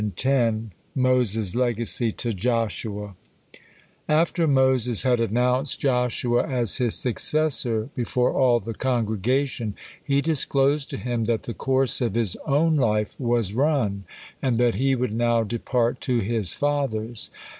MOSES' LEGACY TO JOSHUA After Moses had announced Joshua as his successor before all the congregation, he disclosed to him that the course of his own life was run, and that he would now depart to his fathers.